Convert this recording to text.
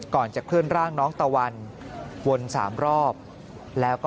ก่อนจะเคลื่อนร่างน้องตะวันวน๓รอบแล้วก็